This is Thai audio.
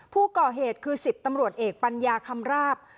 ผู้ก่อเหตุคือ๑๐ตำรวจเอกปัญญาคำราบ